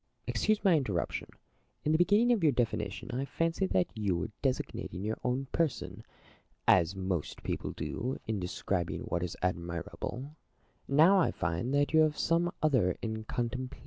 Plato. Excuse my interruption. In the beginning of your definition I fancied that you were designating your own person, as most people do in describing what is admirable ; now I find that you have some other in contemplation.